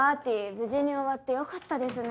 無事に終わってよかったですね。